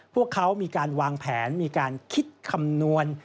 พวกเขามีการวางแผนมีการคิดคำนวณ